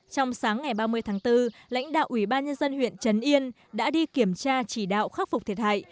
trong sáng ngày ba mươi tháng bốn lãnh đạo ủy ban nhân dân huyện trần yên đã đi kiểm tra chỉ đạo khắc phục thiệt hại